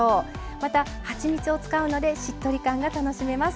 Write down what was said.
また、はちみつを使うのでしっとり感が楽しめます。